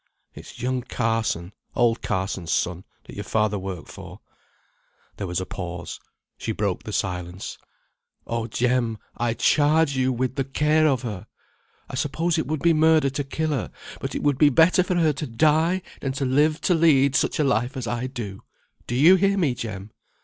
"It's young Carson, old Carson's son, that your father worked for." There was a pause. She broke the silence. "Oh! Jem, I charge you with the care of her! I suppose it would be murder to kill her, but it would be better for her to die than to live to lead such a life as I do. Do you hear me, Jem?"